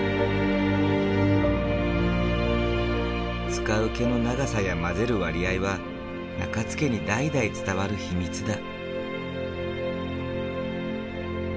使う毛の長さや混ぜる割合は中津家に代々伝わる秘密だ。